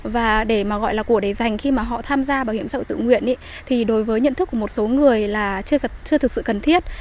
và để mà gọi là của đấy dành khi mà họ tham gia bảo hiểm xã hội tự nguyện thì đối với nhận thức của một số người là chưa thực sự cần thiết